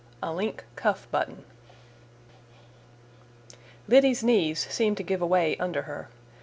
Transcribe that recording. A LINK CUFF BUTTON Liddy's knees seemed to give away under her.